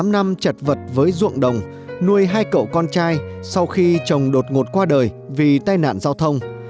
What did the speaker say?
một mươi năm năm chật vật với ruộng đồng nuôi hai cậu con trai sau khi chồng đột ngột qua đời vì tai nạn giao thông